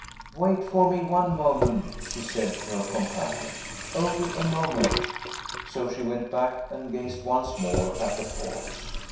"Wait for me, one moment!" she said to her companions. "Only a moment!" So she went back, and gazed once more at the corpse.